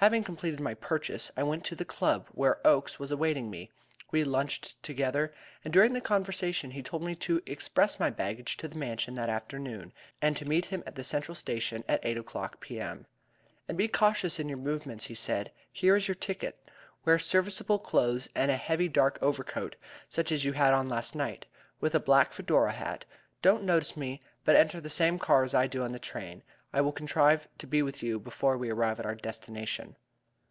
Having completed my purchase, I went to the Club, where Oakes was awaiting me. We lunched together, and during the conversation he told me to express my baggage to the Mansion that afternoon, and to meet him at the Central Station at eight o'clock P.M. "And be cautious in your movements," he said. "Here is your ticket. Wear serviceable clothes and a heavy dark overcoat, such as you had on last night, with a black Fedora hat. Don't notice me, but enter the same car as I do on the train. I will contrive to be with you before we arrive at our destination."